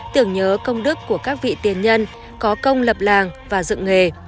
tưởng nhớ công đức của các vị tiền nhân có công lập làng và dựng nghề